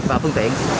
và phương tiện